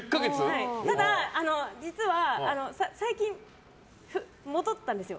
ただ、実は最近戻ったんですよ。